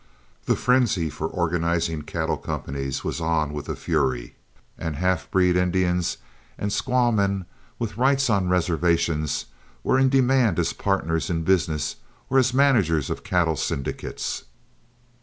The frenzy for organizing cattle companies was on with a fury, and half breed Indians and squaw men, with rights on reservations, were in demand as partners in business or as managers of cattle syndicates.